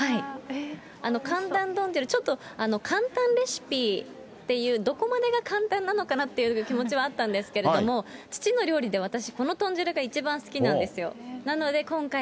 かんたん豚汁、ちょっと簡単レシピっていう、どこまでが簡単なのかなっていう気持ちはあったんですけれども、父の料理で、私、この豚汁が一番好きなんですよ。